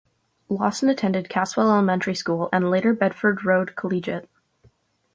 Lawson attended Caswell Elementary School and later Bedford Road Collegiate.